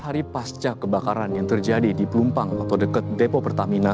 hari pasca kebakaran yang terjadi di pelumpang atau dekat depo pertamina